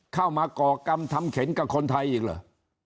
ก่อกรรมทำเข็นกับคนไทยอีกเหรอ